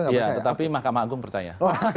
iya tetapi mahkamah agung percaya